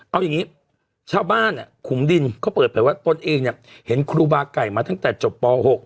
เอาอย่างนี้ชาวบ้านขุมดินเขาเปิดเผยว่าตนเองเนี่ยเห็นครูบาไก่มาตั้งแต่จบป๖